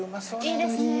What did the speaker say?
いいですね。